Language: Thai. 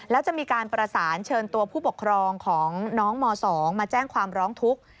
แล้วจะมีการประสานเชิญตัวผู้ปกครองของน้องม๒มาแจ้งความร้องทุกข์